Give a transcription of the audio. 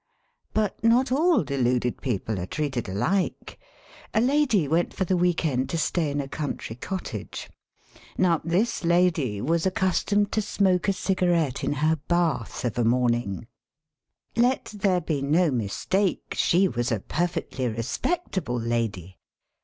But not all deluded people are treated alike. A lady went for the week end to stay in a country cottage. Now, this lady was accustomed to smoke a cigarette in her bath of a morning. 69 70 SELF AND SELF MANAGEMENT Let there be no mistake. She was a perfectly respectable lady.